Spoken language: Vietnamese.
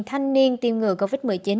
thanh niên tiêm ngừa covid một mươi chín